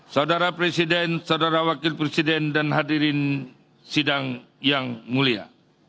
saudara presiden saudara wakil presiden dan hadirin sidang yang mulia